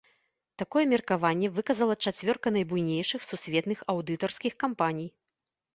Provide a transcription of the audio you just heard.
Такое меркаванне выказала чацвёрка найбуйнейшых сусветных аўдытарскіх кампаній.